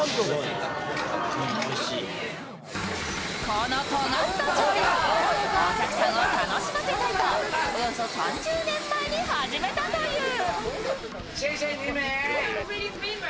この調理法お客さんを楽しませたいと、およそ３０年前に始めたという。